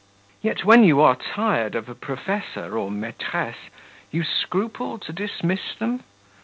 "Yet when you are tired of a professor or maitresse, you scruple to dismiss them?"